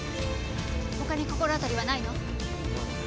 他に心当たりはないの？